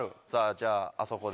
じゃああそこで。